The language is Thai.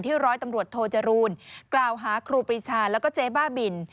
ร้อยตำรวจโทจรูลกล่าวหาครูปรีชาแล้วก็เจ๊บ้าบิน